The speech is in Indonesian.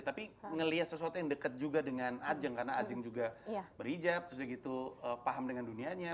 tapi ngelihat sesuatu yang dekat juga dengan ajeng karena ajeng juga berhijab sudah gitu paham dengan dunianya